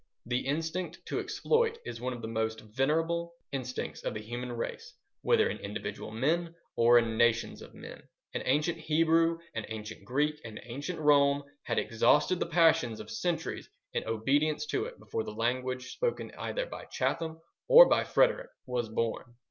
The instinct to exploit is one of the most venerable instincts of the human race, whether in individual men or in nations of men; and ancient Hebrew and ancient Greek and ancient Roman had exhausted the passion of centuries in obedience to it before the language spoken either by Chatham or by Frederick was born.